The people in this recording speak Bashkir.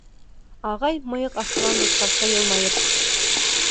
Ағай, мыйыҡ аҫтынан дуҫтарса йылмайып: